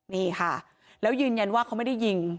นี่ค่ะแล้วยืนยันว่าเขาไม่ได้ยิง